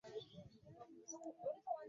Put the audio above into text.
Bano baamanya obuvunaanyizibwa bwabwe